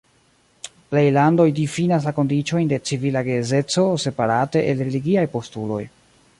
Plej landoj difinas la kondiĉojn de civila geedzeco separate el religiaj postuloj.